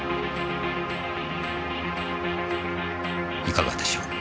いかがでしょう？